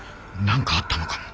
何かあったのかも。